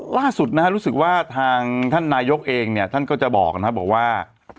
ล่าสุดนะฮะรู้สึกว่าทางท่านนายกเองเนี่ยท่านก็จะบอกนะครับบอกว่า